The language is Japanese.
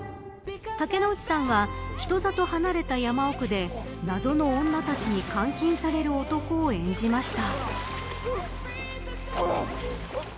竹野内さんは、人里離れた山奥で謎の女たちに監禁される男を演じました。